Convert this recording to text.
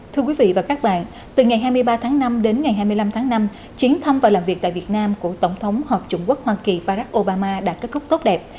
thưa quý vị và các bạn từ ngày hai mươi ba tháng năm đến ngày hai mươi năm tháng năm chuyến thăm và làm việc tại việt nam của tổng thống hợp chủng quốc hoa kỳ parad obama đã kết thúc tốt đẹp